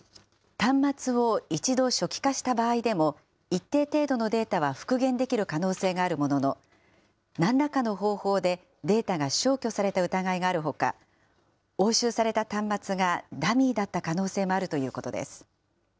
端末を一度初期化した場合でも、一定程度のデータは復元できる可能性があるものの、なんらかの方法でデータが消去された疑いがあるほか、押収された端末が、ダミーだった可能性もあるということです。